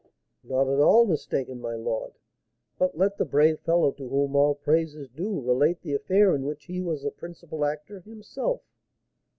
"Not at all mistaken, my lord. But let the brave fellow, to whom all praise is due, relate the affair in which he was the principal actor himself."